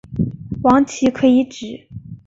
王祺可以指